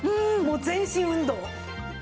もう全身運動。